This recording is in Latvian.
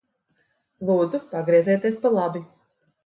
Lūdzu pagriezieties pa labi.